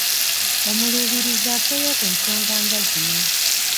Omuluubirizi afeeyo ku nsonga nga zino